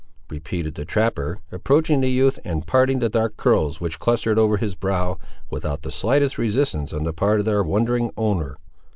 repeated the trapper, approaching the youth and parting the dark curls which clustered over his brow, without the slightest resistance on the part of their wondering owner.